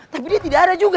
tapi dia tidak ada juga ya